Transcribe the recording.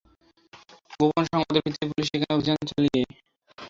গোপন সংবাদের ভিত্তিতে পুলিশ সেখানে অভিযান চালিয়ে জেএমবির পাঁচজনকে গ্রেপ্তার করে।